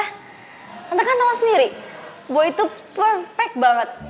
tante kan tau sendiri boy tuh perfect banget